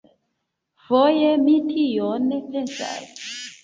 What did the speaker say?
Foje mi tion pensas.